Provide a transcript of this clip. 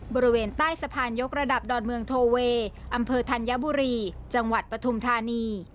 บริเวณใต้สะพานยกระดับดอนเมืองโทเวย์อำเภอธัญบุรีจังหวัดปฐุมธานี